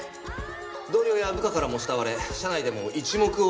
同僚や部下からも慕われ社内でも一目置かれる存在でした。